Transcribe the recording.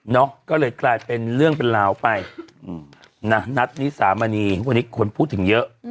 ก็เลยกลายเป็นเรื่องเป็นราวไปนะนัทนิสามณีวันนี้คนพูดถึงเยอะ